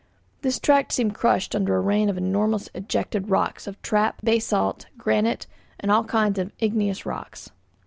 This tract seemed crushed under a rain of enormous ejected rocks of trap, basalt, granite, and all kinds of igneous rocks.